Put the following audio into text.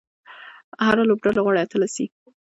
هره لوبډله غواړي اتله سي.